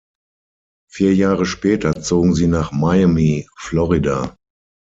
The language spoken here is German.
Vier Jahre später zogen sie nach Miami, Florida.